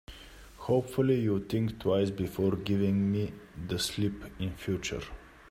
Hopefully, you'll think twice before giving me the slip in future.